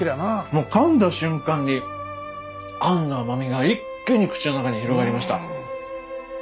もうかんだ瞬間にあんの甘みが一気に口の中に広がりました。